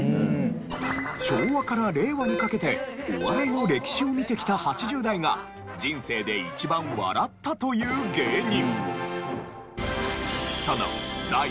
昭和から令和にかけてお笑いの歴史を見てきた８０代が人生で一番笑ったという芸人。